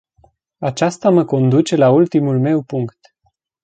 Aceasta mă conduce la ultimul meu punct.